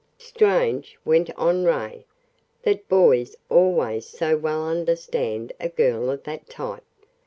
"Strange," went on Ray, "that boys always so well understand a girl of that type.